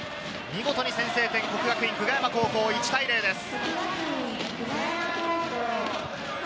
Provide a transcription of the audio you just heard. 見事に先制点、國學院久我山高校、１対０です。